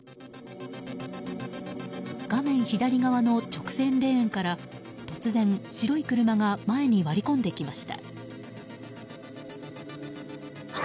画面左側の直線レーンから突然、白い車が前に割り込んできました。